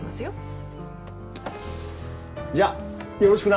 じゃあよろしくな！